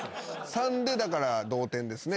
３でだから同点ですね。